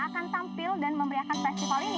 akan tampil dan memeriahkan festival ini